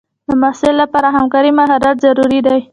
د محصل لپاره همکارۍ مهارت ضروري دی.